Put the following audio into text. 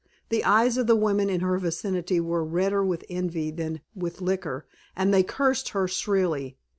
The eyes of the women in her vicinity were redder with envy than with liquor and they cursed her shrilly.